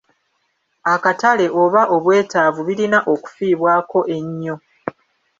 Akatale oba obwetaavu birina okufiibwako ennyo.